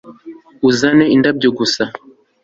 uzane indabyo gusa